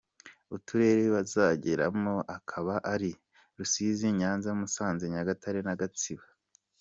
Uturere bazageramo akaba ari : Rusizi, Nyanza, Musanze, Nyagatare na Gatsibo.